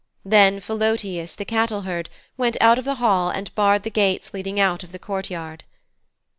Then Philœtius, the cattleherd, went out of the hall and barred the gates leading out of the courtyard.